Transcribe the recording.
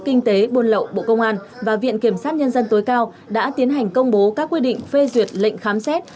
kinh tế buôn lậu bộ công an và viện kiểm sát nhân dân tối cao đã tiến hành công bố các quy định phê duyệt lệnh khám xét